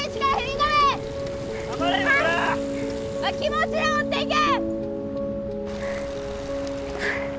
気持ちを持っていけ！